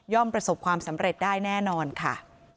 ประสบความสำเร็จได้แน่นอนค่ะ